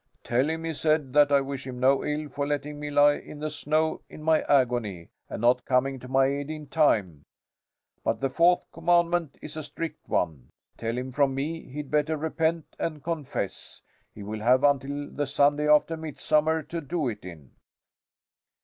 'Tell him,' he said, 'that I wish him no ill for letting me lie in the snow in my agony and not coming to my aid in time; but the Fourth Commandment is a strict one. Tell him from me he'd better repent and confess. He will have until the Sunday after Midsummer to do it in.'"